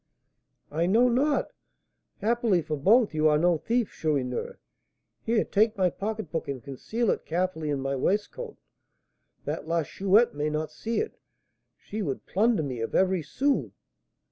"I know not. Happily for both, you are no thief, Chourineur. Here, take my pocketbook, and conceal it carefully in my waistcoat, that La Chouette may not see it; she would plunder me of every sou."